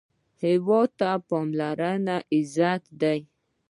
هېواد ته پاملرنه عزت دی